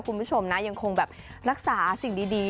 คุณผู้ชมนะยังคงแบบรักษาสิ่งดี